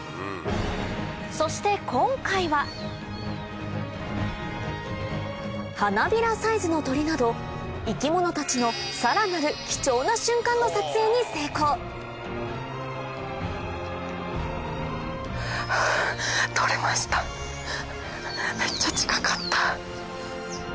そして今回は花びらサイズの鳥など生き物たちのさらなる貴重な瞬間の撮影に成功めっちゃ近かった！